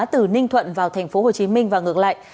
từ ninh thuận vào tp hcm và ngược lại